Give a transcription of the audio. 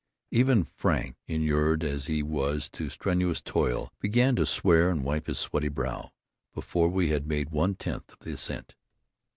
Even Frank, inured as he was to strenuous toil, began to swear and wipe his sweaty brow before we had made one tenth of the ascent.